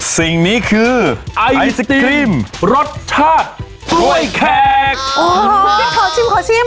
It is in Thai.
สิ่งนี้คือไอศครีมรสชาติกล้วยแขกโอ้โหขอชิมขอชิม